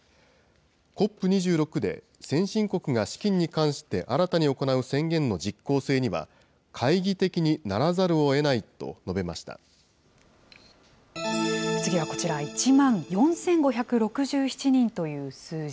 ＣＯＰ２６で、先進国が資金に関して新たに行う宣言の実効性には懐疑的にならざ次はこちら、１万４５６７人という数字。